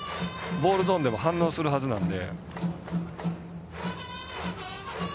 ボールゾーンでも反応するはずなんで。